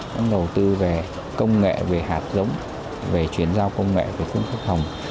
cũng đầu tư về công nghệ về hạt giống về chuyển giao công nghệ về phương pháp hồng